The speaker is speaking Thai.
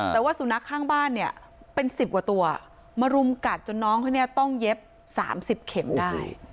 แต่ว่าสุนัขข้างบ้านเนี่ยเป็น๑๐กว่าตัวมารุมกัดจนน้องเขาเนี่ยต้องเย็บ๓๐เข็มได้